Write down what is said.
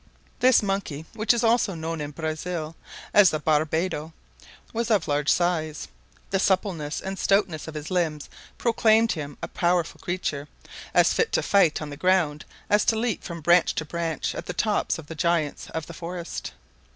This monkey, which is also known in Brazil as the "barbado," was of large size. The suppleness and stoutness of his limbs proclaimed him a powerful creature, as fit to fight on the ground as to leap from branch to branch at the tops of the giants of the forest.